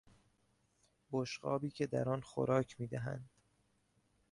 بشقابی که در آن خوراک میدهند